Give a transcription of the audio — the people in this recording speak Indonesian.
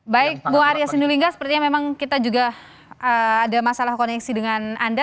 baik bu arya sinulinga sepertinya memang kita juga ada masalah koneksi dengan anda